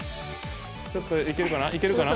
ちょっといけるかな？